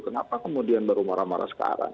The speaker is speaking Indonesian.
kenapa kemudian baru marah marah sekarang